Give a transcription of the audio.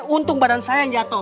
untung badan saya yang jatuh